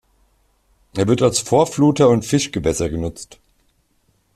Er wird als Vorfluter und Fischgewässer genutzt.